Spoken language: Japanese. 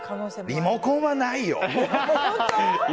リモコンはないよ。